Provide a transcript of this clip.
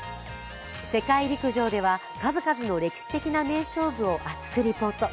「世界陸上」では数々の歴史的な名勝負を熱くリポート。